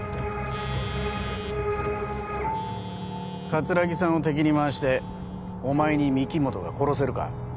桂木さんを敵に回してお前に御木本が殺せるか？